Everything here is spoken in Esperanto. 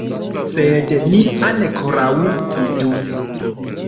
Sed ni ankoraŭ vidu!